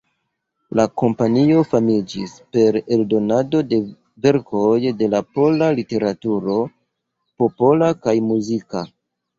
La kompanio famiĝis per eldonado de verkoj de la pola literaturo, popola kaj muzika.